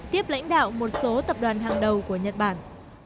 tiếp lãnh đạo một số tập đoàn hàng đầu của nhật bản